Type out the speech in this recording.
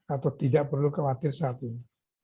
atau tidak perlu khawatir saat ini